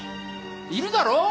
いるだろう？